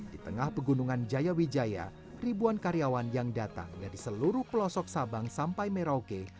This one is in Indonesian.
di tengah pegunungan jaya wijaya ribuan karyawan yang datang dari seluruh pelosok sabang sampai merauke